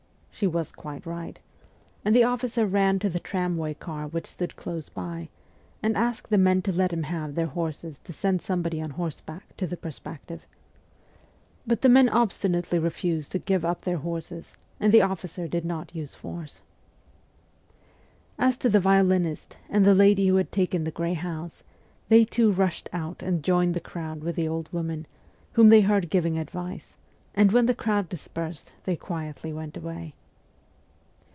She was quite right, and the officer ran to the tramway car which stood close by, and asked the men to let him have their THE ESCAPE 177 horses to send somebody on horseback to the Per spective. But the men obstinately refused to give up their horses, and the officer did not use force. As to the violinist and the lady who had taken the grey house, they too rushed out and joined the crowd with the old woman, whom they heard giving advice, and when the crowd dispersed they quietly went away.